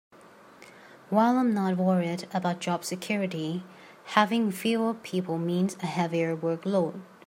While I am not worried about job security, having fewer people means a heavier workload.